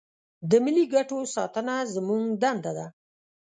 د ملي ګټو ساتنه زموږ دنده ده.